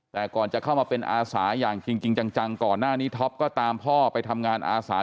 แต่ก่อนจะเข้ามาเป็นอาสาอย่างจริงจังก่อนหน้านี้ท็อปก็ตามพ่อไปทำงานอาสา